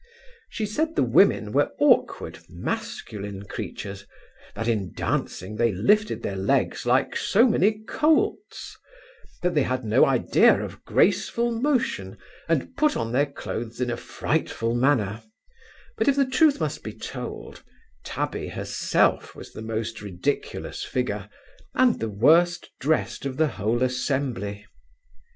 She said the women were awkward, masculine creatures; that, in dancing, they lifted their legs like so many colts; that they had no idea of graceful motion, and put on their clothes in a frightful manner; but if the truth must be told, Tabby herself was the most ridiculous figure, and the worst dressed of the whole assembly.